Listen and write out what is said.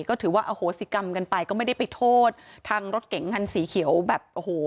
ก็ถือว่าอโหสิกรรมกันไปก็ไม่ได้ไปโทษทางรถเก๋งคันสีเขียวแบบโอ้โห